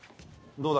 どうだ？